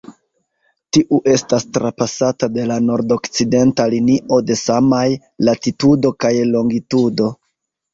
Tiu estas trapasata de la nordokcidenta linio de samaj latitudo kaj longitudo.